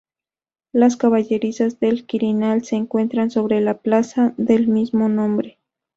Las Caballerizas del Quirinal, se encuentran sobre la plaza del mismo nombre.